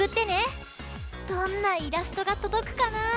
どんなイラストがとどくかな？